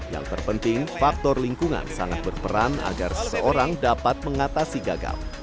yang terpenting faktor lingkungan sangat berperan agar seseorang dapat mengatasi gagal